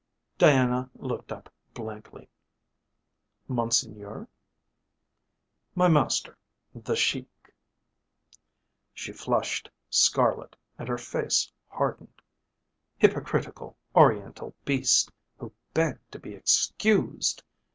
Diana looked up blankly. "Monseigneur?" "My master. The Sheik." She flushed scarlet and her face hardened. Hypocritical, Oriental beast who "begged to be excused"!